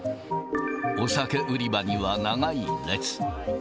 お酒売り場には長い列。